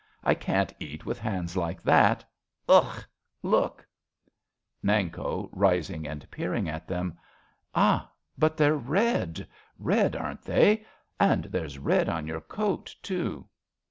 I can't eat With hands like that. Ugh ! Look ! Nanko {rising and peering at them). Ah, but they're red. Red, aren't they? And there's red on your coat, too.